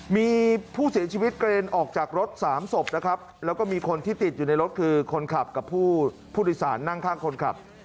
มีผู้เสียชีวิตกระเด็นออกจากรถสามศพนะครับแล้วก็มีคนที่ติดอยู่ในรถคือคนขับกับผู้โดยสารนั่งข้างคนขับ